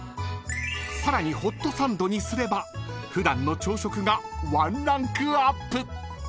［さらにホットサンドにすれば普段の朝食がワンランクアップ］